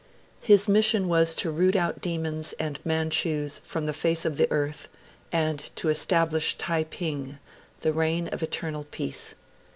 His mission was to root out Demons and Manchus from the face of the earth, and to establish Taiping, the reign of eternal peace.